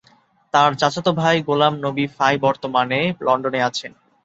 তার চাচাতো ভাই গোলাম নবী ফাই বর্তমানে লন্ডনে আছেন।